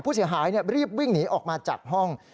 ผู้เสียหายรีบวิ่งหนีออกมาจากห้อง